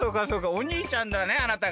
おにいちゃんだねあなたが。